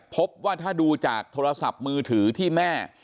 พบว่าถ้าดูจากโทรศัพท์มือถือที่แม่